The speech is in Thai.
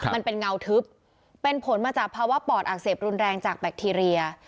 มันเป็นเงาทึบเป็นผลมาจากภาวะปอดอักเสบรุนแรงจากแบคทีเรีย